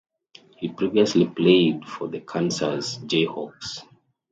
He previously played for the Kansas Jayhawks.